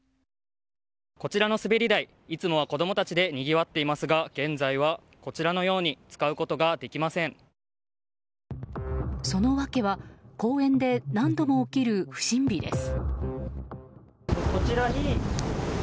こちらの滑り台いつもは子供たちでにぎわっていますが現在はこちらのようにその訳は公園で何度も起きる不審火です。